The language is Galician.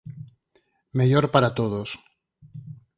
Mellor para todos